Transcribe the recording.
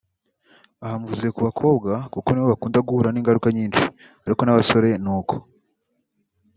Aha mvuze ku bakobwa kuko nibo bakunda guhura n’ingaruka nyinshi ariko n’abasore ni uko